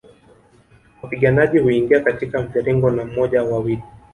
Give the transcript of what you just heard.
Wapiganaji huingia katika mviringo na moja au wawili